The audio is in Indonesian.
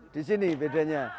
di sini bedanya